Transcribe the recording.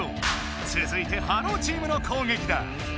つづいて「ｈｅｌｌｏ，」チームの攻撃だ！